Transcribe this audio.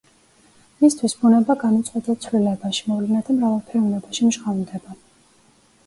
მისთვის ბუნება განუწყვეტელ ცვლილებაში, მოვლენათა მრავალფეროვნებაში მჟღავნდება.